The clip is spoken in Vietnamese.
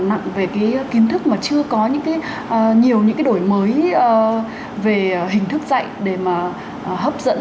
nặng về cái kiến thức mà chưa có những cái nhiều những cái đổi mới về hình thức dạy để mà hấp dẫn